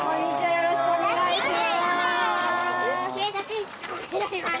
よろしくお願いします。